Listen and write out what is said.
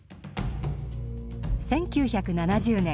１９７０年。